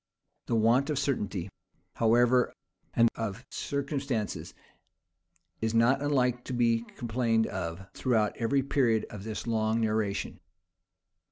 The want of certainty, however, and of circumstances, is not unlike to be complained of throughout every period of this long narration.